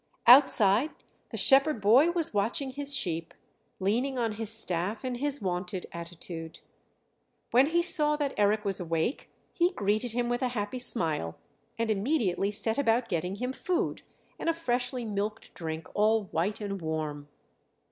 Outside the shepherd boy was watching his sheep, leaning on his staff in his wonted attitude. When he saw that Eric was awake he greeted him with a happy smile, and immediately set about getting him food, and a freshly milked drink, all white and warm.